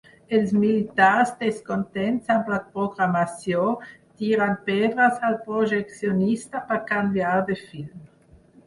Els militars descontents amb la programació tiren pedres al projeccionista per canviar de film.